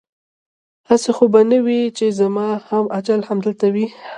هسې خو به نه وي چې زما هم اجل همدلته وي؟